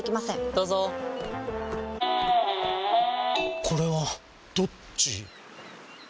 どうぞこれはどっち？